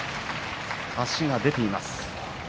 足が出ています。